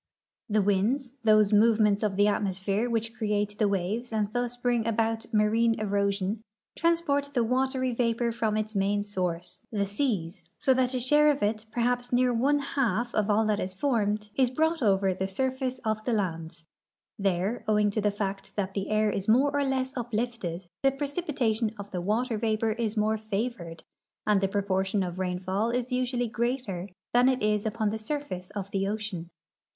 The winds — those movements of the atmosphere which create the waves and thus bring about marine erosion — transport the watery vapor from its main source, the seas, so that a share of it, perhaps near one half of all that is formed, is brought over THE ECOXOmC ASPECTS OF SOIC EROSION 337 the surface of the lands. There, owing to the fact that the air is more or less uplifted, the precipitation of the water vapor is more favored, and the proportion of rainfall is usually greater than it is upon the surface of the ocean.